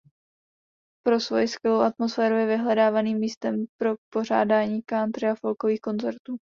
Pro svoji skvělou atmosféru je vyhledávaným místem pro pořádání country a folkových koncertů.